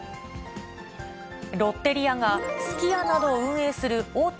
ロッテリアがすき家などを運営する大手